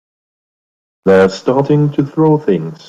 They're starting to throw things!